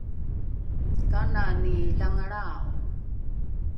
kanani langalra’o?